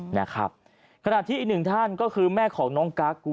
นะครับขณะที่อีกหนึ่งท่านก็คือแม่ของน้องกั๊ก